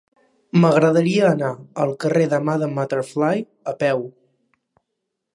M'agradaria anar al carrer de Madame Butterfly a peu.